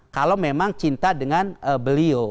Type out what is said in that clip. kalau memang cinta dengan beliau